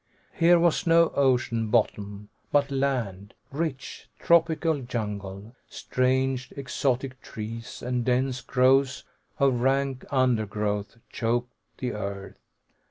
Here was no ocean bottom, but land, rich tropical jungle. Strange exotic trees and dense growths of rank undergrowth choked the earth.